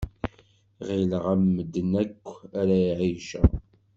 Ɣilleɣ am medden akk ara ɛiceɣ.